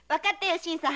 新さん。